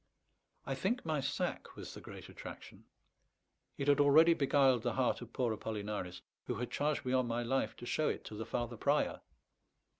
I think my sack was the great attraction; it had already beguiled the heart of poor Apollinaris, who had charged me on my life to show it to the Father Prior.